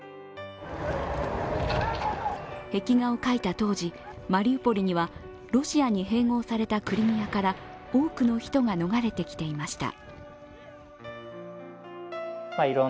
壁画を描いた当時、マリウポリにはロシアに併合されたクリミアから多くの人が逃れてきていました。